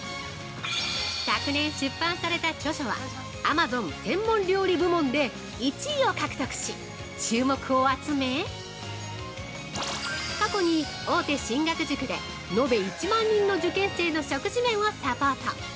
昨年出版された著書はＡｍａｚｏｎ専門料理部門で１位を獲得し、注目を集め過去に大手進学塾で、延べ１万人の受験生の食事面をサポート！